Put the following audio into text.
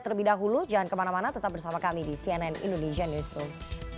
terlebih dahulu jangan kemana mana tetap bersama kami di cnn indonesia newsroom